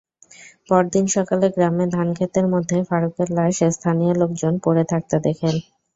পরদিন সকালে গ্রামে ধানখেতের মধ্যে ফারুকের লাশ স্থানীয় লোকজন পড়ে থাকতে দেখেন।